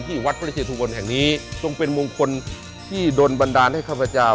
วัดพระเชตุพลแห่งนี้ทรงเป็นมงคลที่โดนบันดาลให้ข้าพเจ้า